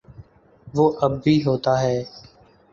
وہ اب بھی ہوتا ہے۔